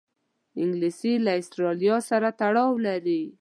انګلیسي له آسټرالیا سره تړاو لري